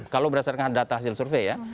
kalau berdasarkan data hasil survei ya